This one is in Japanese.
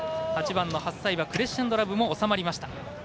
８番のクレッシェンドラヴも収まりました。